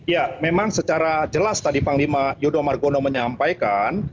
ya memang secara jelas tadi panglima yudho margono menyampaikan